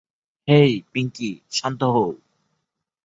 হেই, পিঙ্কি, শান্ত হও।